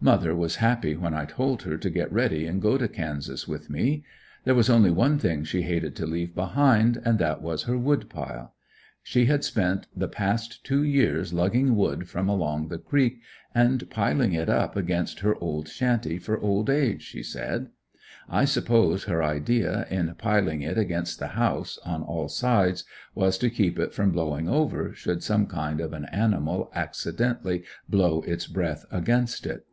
Mother was happy when I told her to get ready and go to Kansas with me. There was only one thing she hated to leave behind, and that was her wood pile. She had spent the past two years lugging wood from along the creek and piling it up against her old shanty for "old age," she said. I suppose her idea in piling it against the house, on all sides, was to keep it from blowing over, should some kind of an animal accidently blow its breath against it.